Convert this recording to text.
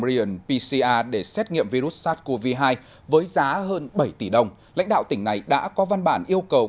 riêng pcr để xét nghiệm virus sars cov hai với giá hơn bảy tỷ đồng lãnh đạo tỉnh này đã có văn bản yêu cầu